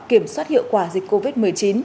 kiểm soát hiệu quả dịch covid một mươi chín